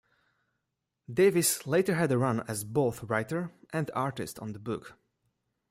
Davis later had a run as both writer and artist on the book.